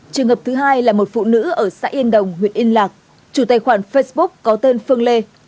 trường hợp thứ hai là một phụ nữ ở xã yên đồng huyện yên lạc chủ tài khoản facebook có tên phương lê